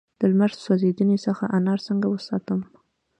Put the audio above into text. د لمر سوځیدنې څخه انار څنګه وساتم؟